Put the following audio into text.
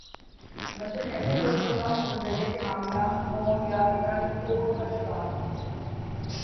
مثلا ایس لوگ جو کم نظریہ کے حاملہ ہوں یا رنگ کور کا شکار ہوں